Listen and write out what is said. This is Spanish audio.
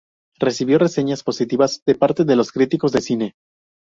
Recibió reseñas positivas de parte de los críticos de cine.